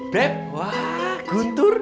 beb wah gutur